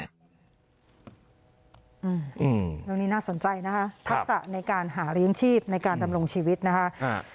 เรื่องนี้น่าสนใจนะคะทักษะในการหาเลี้ยงชีพในการดำรงชีวิตนะคะ